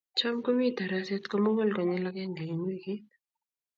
Cham komi taraset komugul konyil agenge eng weekit